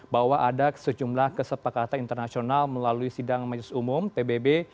bahwa ada sejumlah kesepakatan internasional melalui sidang majelis umum pbb